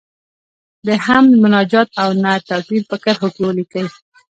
د حمد، مناجات او نعت توپیر په کرښو کې ولیکئ.